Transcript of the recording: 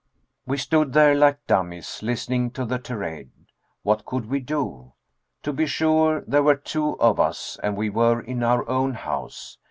We stood there like dummies, listening to the tirade. What could we do? To be sure, there were two of us, and we were in our own house.